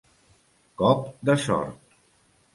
Cop de sort.